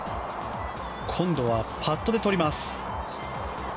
今度はパットでとります。